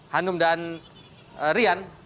hanum dan rian